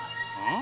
ん？